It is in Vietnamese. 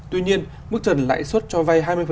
tuy nhiên mức trần lãi suất cho vay hai mươi